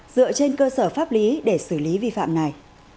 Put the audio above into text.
dựa trên cơ sở pháp lý để xử lý vi phạm này